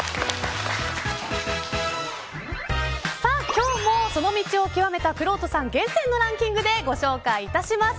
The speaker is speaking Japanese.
今日もその道を究めたくろうとさん厳選のランキングでご紹介致します。